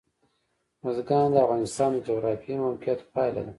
بزګان د افغانستان د جغرافیایي موقیعت پایله ده.